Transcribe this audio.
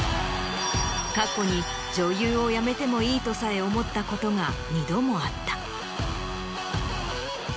過去に女優を辞めてもいいとさえ思ったことが２度もあった。